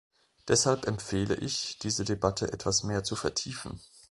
Deshalb empfehle ich, diese Debatte etwas mehr zu vertiefen.